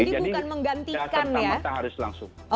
jadi bukan menggantikan ya